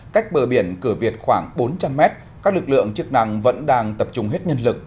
cách bờ biển cửa việt khoảng bốn trăm linh m các lực lượng chức năng vẫn đang tập trung hết nhân lực